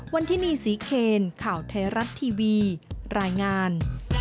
วันที่นี่ศรีเคนข่าวไทยรัฐทีวีรายงาน